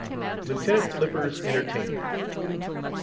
LIEUTENANT FLIPPER'S ENTERTAINMENT.